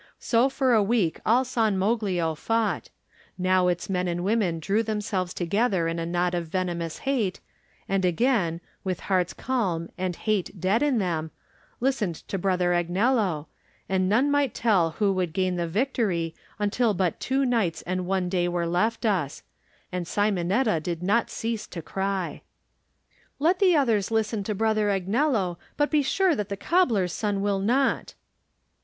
So for a week all San Moglio fought; now its men and women drew themselves together in a knot of venomous hate, and again, with hearts calm and hate dead in them, listened to Brother Agnello, and none might tell who would gain the victory until but two nights and one day were left us — and Si monetta did not cease to cry. "Let the others listen to Brother Agnello, but be sure that the cobbler's son will not."